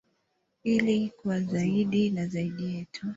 Ili kuwa zaidi na zaidi yetu.